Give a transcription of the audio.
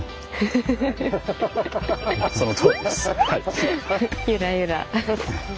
そのとおりですはい。